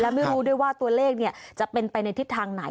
ไม่รู้ด้วยว่าตัวเลขจะเป็นไปในทิศทางไหน